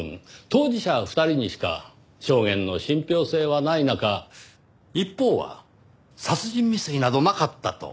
当事者２人にしか証言の信憑性はない中一方は殺人未遂などなかったと。